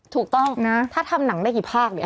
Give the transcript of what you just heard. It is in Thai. ถูกต้องนะถ้าทำหนังได้กี่ภาคเนี่ย